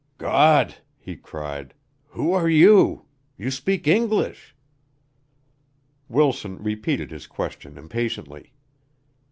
"God," he cried. "Who are you? You speak English!" Wilson repeated his question impatiently.